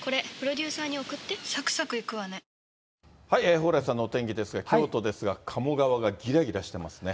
蓬莱さんのお天気ですが、京都ですが、鴨川がぎらぎらしてますね。